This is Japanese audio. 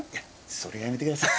それはやめてください。